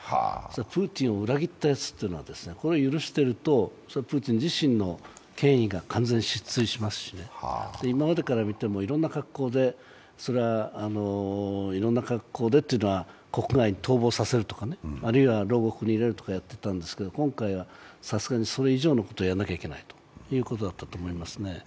プーチンを裏切ったやつというのを許しているとプーチン自身の権威が完全に失墜しますしね、今までから見ても、いろんな格好で、それはいろんな格好でというのは国外に逃亡させるとか、あるいは牢獄に入れるとかやったんですけど、今回はさすがにそれ以上のことをやらなきゃいけなかったということですね。